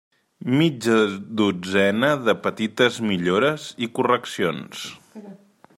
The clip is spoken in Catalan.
Mitja dotzena de petites millores i correccions.